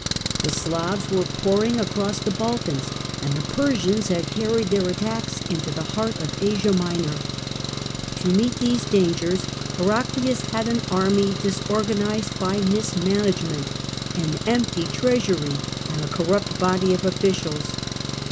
The Slavs were pouring icross the Balkans and the Persians had carried their ittacks into the heart of Asia Minor. To meet these iangers Heraclius had an army disorganised by mis nanagement, an empty treasury and a corrupt body of )fficials.